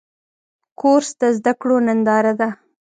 کورس د زده کړو ننداره ده.